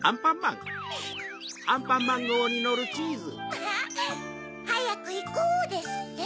まぁ「はやくいこう！」ですって。